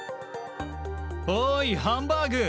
おーい、ハンバーグ！